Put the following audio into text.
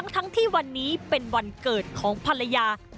ทั้งที่วันนี้เป็นวันเกิดของภรรยา